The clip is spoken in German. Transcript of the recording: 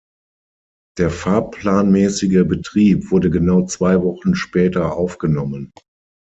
Der fahrplanmäßige Betrieb wurde genau zwei Wochen später aufgenommen.